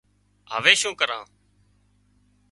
هوي شون ڪران